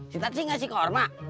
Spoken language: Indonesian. si tati gak sih kurma